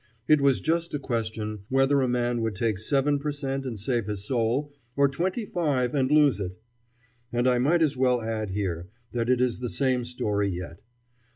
It was just a question whether a man would take seven per cent and save his soul, or twenty five and lose it. And I might as well add here that it is the same story yet.